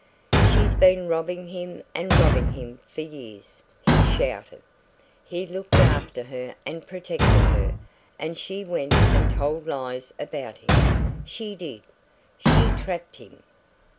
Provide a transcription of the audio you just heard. "She's been robbing him and robbing him for years," he shouted. "He looked after her and protected her, and she went and told lies about him, she did. She trapped him!"